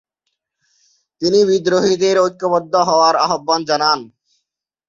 তিনি বিদ্রোহীদের ঐক্যবদ্ধ হওয়ার আহ্বান জানান।